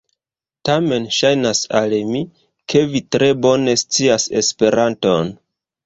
Tamen ŝajnas al mi, ke vi tre bone scias Esperanton.